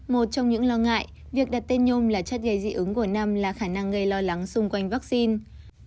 một trong những lo ngại việc đặt tên nhôm là chất gây dị ứng của năm là khả năng gây lo lắng xung quanh vaccine